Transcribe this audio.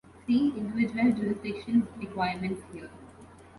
See individual jurisdiction's requirements here.